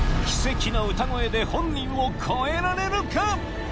奇跡の歌声で本人を超えられるか？